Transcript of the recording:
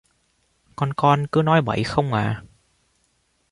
con con cứ nói bậy không à